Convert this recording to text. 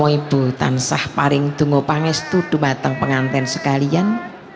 romo ibu tan sah paring dungo pangestu dumateng pengantin sekalian